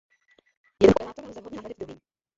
Jeden operátor lze vhodně nahradit druhým.